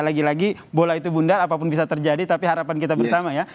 lagi lagi bola itu bundar apapun bisa terjadi tapi harapan kita bersama ya